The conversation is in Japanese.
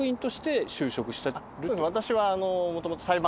私は。